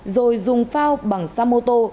rồi dùng phao bằng xa mô tô